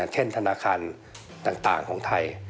เช่นธนาคารต่างของไทย